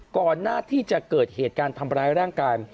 ก่อนหน้าที่จะเกิดเหตุการณ์ทำร้ายร่างกาย